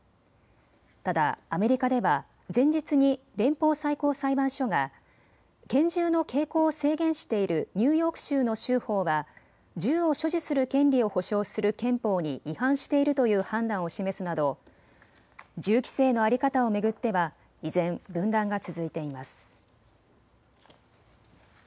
ただアメリカでは前日に連邦最高裁判所が拳銃の携行を制限しているニューヨーク州の州法は銃を所持する権利を保障する憲法に違反しているという判断を示すなど銃規制の在り方を巡っては依然、分断が続いています。